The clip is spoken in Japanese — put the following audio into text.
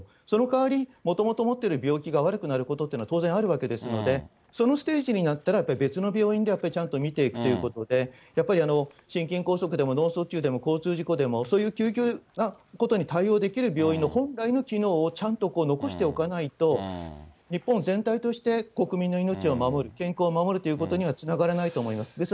その代わり、もともと持ってる病気が悪くなることっていうのは、当然あるわけですので、そのステージになったらやっぱり別の病院でちゃんと診ていくということで、やっぱり心筋梗塞でも脳卒中でも交通事故でも、そういう救急なことに対応できる病院の本来の機能をちゃんと残しておかないと、日本全体として、国民の命を守る、健康を守るということにはつながらないと思います。